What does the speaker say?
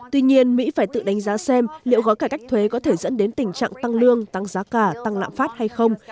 tuy nhiên mỹ phải tự đánh giá xem liệu gói cải cách thuế có thể dẫn đến tình trạng tăng lương tăng giá cả tăng lạm phát hay không